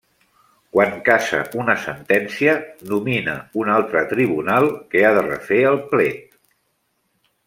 Quan cassa una sentència, nomina un altre tribunal que ha de refer el plet.